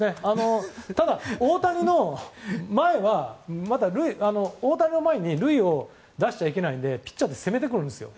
ただ、大谷の前は大谷の前に塁を出しちゃいけないのでピッチャーって攻めてくるんですよ。